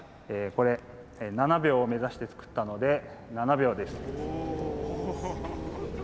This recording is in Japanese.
これ７秒を目指して作ったので７秒です。